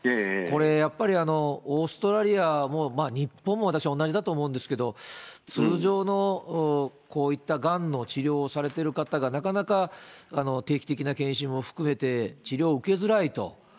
これ、やっぱり、オーストラリアも日本も、私は同じだと思うんですけれども、通常のこういったがんの治療をされてる方が、なかなか定期的な検診も含めて、治療を受けづらいと。